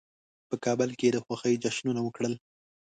په کابل کې د خوښۍ جشنونه وکړل.